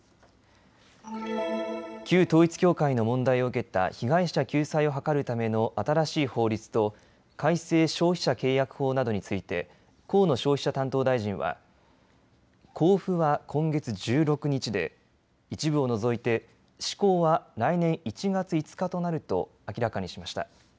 旧統一教会の問題を受けた被害者救済を図るための新しい法律と改正消費者契約法などについて河野消費者担当大臣は公布は今月１６日で一部を除いて施行は来年１月５日となると明らかにしました。